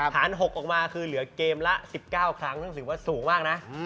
ฐาน๖ออกมาคือเหลือเกมละ๑๙ครั้งซึ่งถือว่าสูงมากนะ